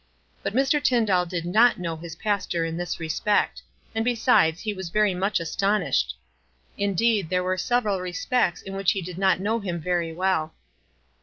But Mr. Tyndall did not know his pastor in this respect, and besides, he was very much astonished. Indeed, there were several respects in which he did not know him very well.